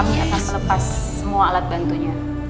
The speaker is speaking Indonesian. kami akan melepas semua alat bantunya